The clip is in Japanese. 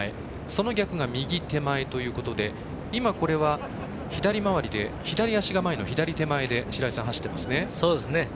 その逆が右手前ということでこれは左回りで左足が前の左前で走っていますね。